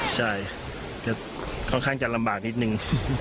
ใช่จะค่อนข้างจะลำบากนิดนึง